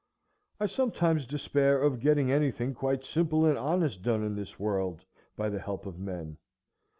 I sometimes despair of getting anything quite simple and honest done in this world by the help of men.